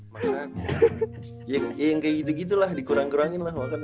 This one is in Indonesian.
masa anjing ya yang kayak gitu gitulah dikurang kurangin lah makan ya